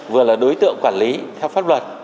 vừa là đối tượng quản lý theo pháp luật